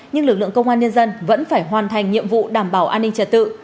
nhưng lực lượng công an nhân dân vẫn phải hoàn thành nhiệm vụ đảm bảo an ninh trật tự